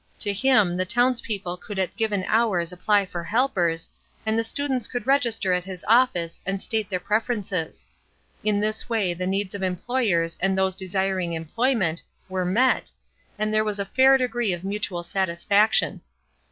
To him, the townspeople could at given hours apply for hdpers, and the students could register at his office and state their preferences. In this way the needs of employers and those desiring employment were J. and there was a fair degree of mutual satisfaction.